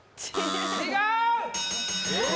違う！